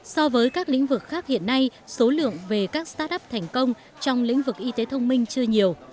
so với các lĩnh vực khác hiện nay số lượng về các start up thành công trong lĩnh vực y tế thông minh chưa nhiều